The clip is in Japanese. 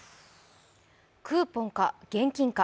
クーポンか現金か。